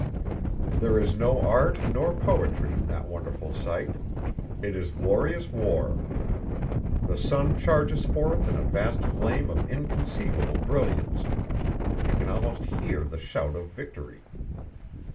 There is no art nor poetry in that wonderful sight; it is glorious war. The sun charges forth in a vast flame of inconceivable brilliance; you can almost hear the shout of victory.